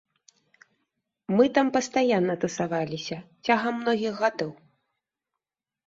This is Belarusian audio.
Мы там пастаянна тусаваліся, цягам многіх гадоў.